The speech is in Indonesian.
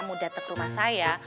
mudah dateng rumah saya